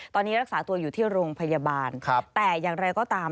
ตอนนี้รักษาตัวอยู่ที่โรงพยาบาลแต่อย่างไรก็ตาม